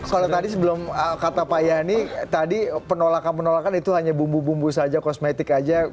kalau tadi sebelum kata pak yani tadi penolakan penolakan itu hanya bumbu bumbu saja kosmetik saja